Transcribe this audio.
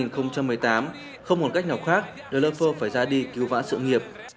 không còn cách nào khác liverpool phải ra đi cứu vã sự nghiệp